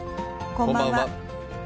こんばんは。